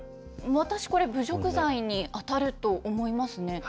私、これ侮辱罪に当たると思いますね。